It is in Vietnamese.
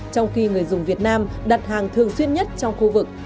trong khi người dùng việt nam đặt hàng thường xuyên nhất trong khu vực